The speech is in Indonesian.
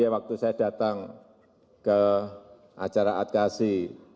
waktu saya datang ke acara adkasi